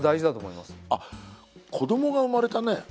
あっ子どもが生まれたね。